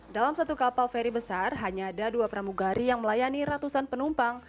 dalam satu kapal feri besar hanya ada dua pramugari yang melayani ratusan penumpang